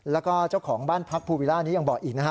แล้วก็เจ้าของบ้านพักภูวิล่านี้ยังบอกอีกนะฮะ